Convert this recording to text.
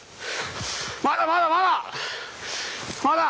まだまだまだ！